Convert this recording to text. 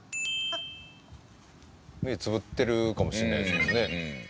目つぶってるかもしれないですもんね。